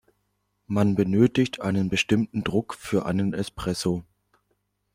Man benötigt einen bestimmten Druck für einen Espresso.